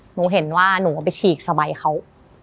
หนูเห็นว่าหนูก็ไปฉีกสบายเขา